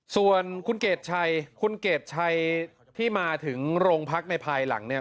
ส่วนคุณเกดชัยคุณเกรดชัยที่มาถึงโรงพักในภายหลังเนี่ย